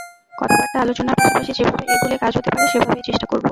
কথাবার্তা, আলোচনার পাশাপাশি যেভাবে এগোলে কাজ হতে পারে, সেভাবেই চেষ্টা করব।